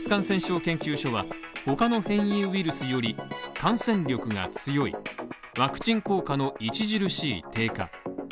国立感染症研究所は、他の変異ウイルスより感染力が強いワクチン効果の著しい低下